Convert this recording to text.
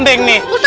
ustadz tadi ada